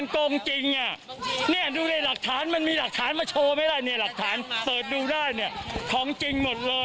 กล่องจริงของจริง